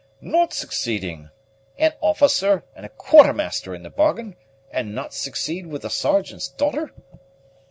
"Not succeeding! An officer, and a quartermaster in the bargain, and not succeed with a sergeant's daughter!"